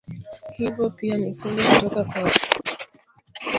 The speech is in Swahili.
hivo pia ni funzo kutoka kwa watawala